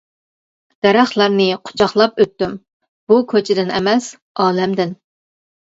دەرەخلەرنى قۇچاقلاپ ئۆتتۈم، بۇ كوچىدىن ئەمەس ئالەمدىن.